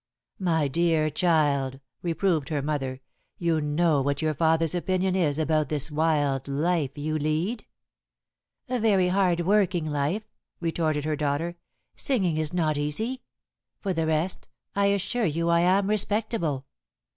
"My dear child," reproved her mother, "you know what your father's opinion is about this wild life you lead." "A very hard working life," retorted her daughter; "singing is not easy. For the rest, I assure you I am respectable."